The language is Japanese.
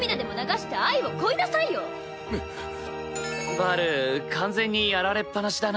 バル完全にやられっぱなしだな。